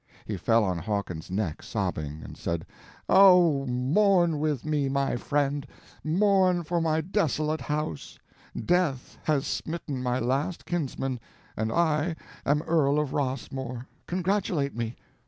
He fell on Hawkins's neck sobbing, and said: "Oh, mourn with me my friend, mourn for my desolate house: death has smitten my last kinsman and I am Earl of Rossmore—congratulate me!"